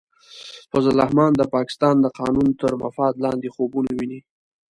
فضل الرحمن د پاکستان د قانون تر مفاد لاندې خوبونه ویني.